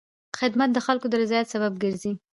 خدمت د خلکو د رضایت سبب ګرځي.